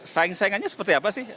saing saingannya seperti apa sih